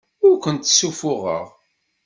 Ur kent-ssuffuɣeɣ.